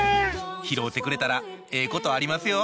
拾うてくれたらええことありますよ